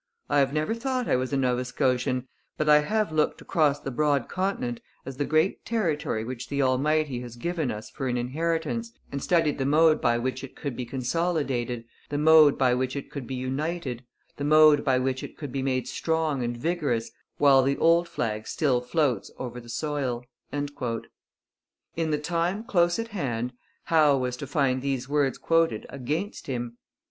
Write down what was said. I have never thought I was a Nova Scotian, but I have looked across the broad continent as the great territory which the Almighty has given us for an inheritance, and studied the mode by which it could be consolidated, the mode by which it could be united, the mode by which it could be made strong and vigorous while the old flag still floats over the soil. In the time close at hand Howe was to find these words quoted against him.